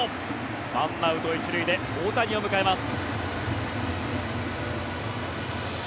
１アウト１塁で大谷を迎えます。